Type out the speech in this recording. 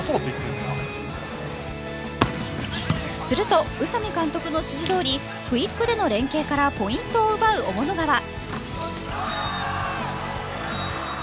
すると宇佐美監督の指示どおりクイックでの連携からポイントを奪う雄物川。